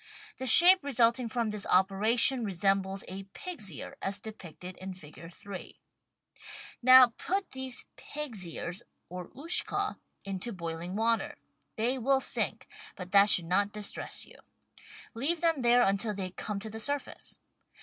The shape resulting from this operation resembles a pig's ear, as depicted in Figure 3. Now put these pig's ears or Ushka into boiling water; they will sink, but that should not distress you. Leave them there until they come to the surface.